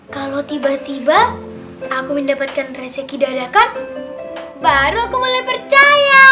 kalau tiba tiba aku mendapatkan rezeki dadakan baru aku mulai percaya